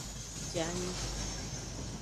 Je anyi.